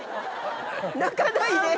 泣かないで！